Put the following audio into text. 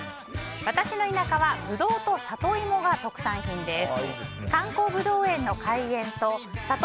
私の田舎はブドウとサトイモが特産品です。